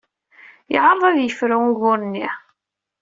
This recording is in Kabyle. Yeɛreḍ ad yefru ugur-nni.